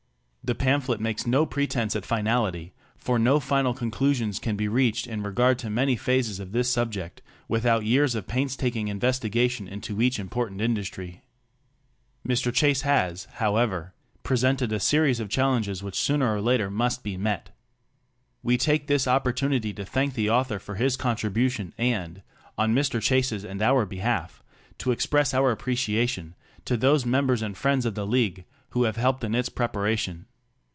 The pamphlet makes no pretense at finality, for no final con clusions can be reached in regard to many phases of this subject without years of painstaking investigation into each important industry. Mr. Chase has, however, presented a series of challenges which sooner or later must be met. We take this opportunity to thank the author for his contribution and, on Mr. Chase's and our behalf, to express our appreciation to those members and friends of the League who have helped in its preparation.